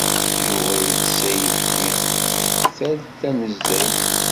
Yuba itess ayefki tal tanezzayt.